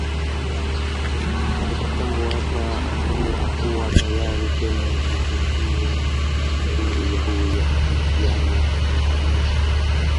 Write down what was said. Tangu hapa hakuwa tayari tena kuchukua ushauri juu ya uhusiano katika ndoa yake.